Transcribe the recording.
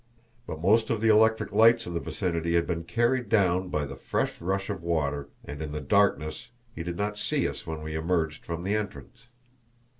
But most of the electric lights in the vicinity had been carried down by the first rush of water, and in the darkness he did not see us when we emerged from the entrance.